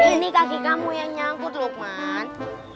ini kaki kamu yang nyangkut lukman